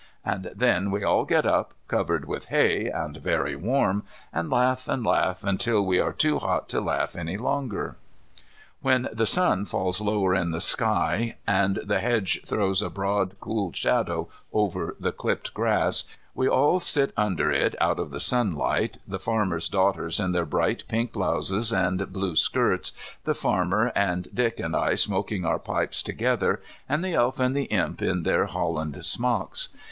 And then we all get up covered with hay and very warm, and laugh and laugh until we are too hot to laugh any longer. When the sun falls lower in the sky, and the hedge throws a broad cool shadow over the clipped grass, we all sit under it out of the sunlight, the farmer's daughters in their bright pink blouses and blue skirts, the farmer and Dick and I smoking our pipes together, and the Elf and the Imp in their holland smocks.